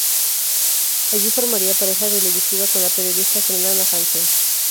Allí formaría pareja televisiva con la periodista Fernanda Hansen.